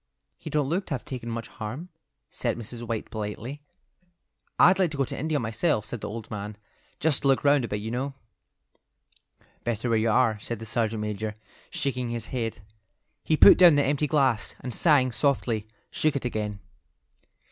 "He don't look to have taken much harm," said Mrs. White, politely. "I'd like to go to India myself," said the old man, "just to look round a bit, you know." "Better where you are," said the sergeant major, shaking his head. He put down the empty glass, and sighing softly, shook it again.